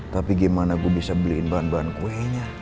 tapi gimana gue bisa beliin bahan bahan kuenya